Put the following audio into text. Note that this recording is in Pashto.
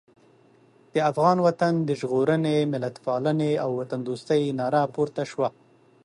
د افغان وطن د ژغورنې، ملتپالنې او وطندوستۍ ناره پورته شوه.